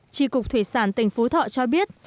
tri cục thủy sản tỉnh phú thọ cho biết